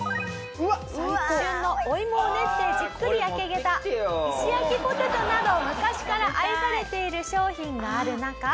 旬のお芋を練ってじっくり焼き上げた石焼ぽてとなど昔から愛されている商品がある中。